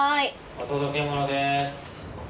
・お届け物です。